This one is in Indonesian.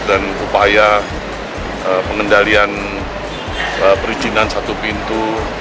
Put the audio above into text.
dan upaya pengendalian perizinan satu pintu